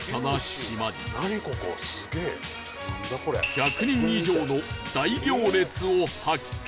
１００人以上の大行列を発見